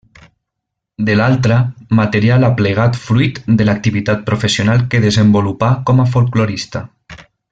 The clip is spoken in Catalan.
De l'altra, material aplegat fruit de l'activitat professional que desenvolupà com a folklorista.